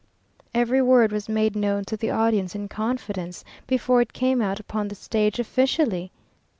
every word was made known to the audience in confidence, before it came out upon the stage officially.